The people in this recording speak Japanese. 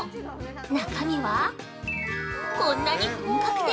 中身は、こんなに本格的！